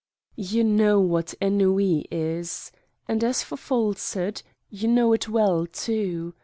You know what ennui is. And as for falsehood, you know it well too.